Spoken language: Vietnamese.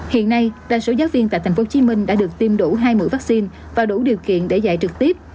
hiện nay đa số giáo viên tại tp hcm đã được tiêm đủ hai mũi vaccine và đủ điều kiện để dạy trực tiếp